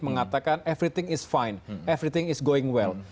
mengatakan semuanya baik semuanya berjalan dengan baik